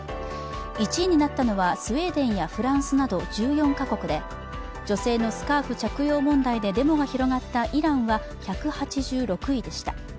１位になったのはスウェーデンやフランスなど１４か国で女性のスカーフ着用問題でデモが広がったイランは１８７位でした。